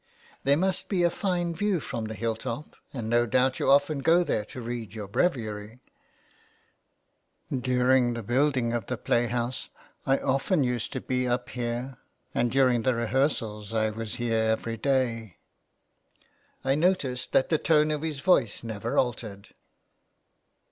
" There must be a fine view from the hill top, and no doubt you often go there to read your breviary." " During the building of the play house I often used to be up here, and during the rehearsals I was here every day." I noticed that the tone of his voice never altered.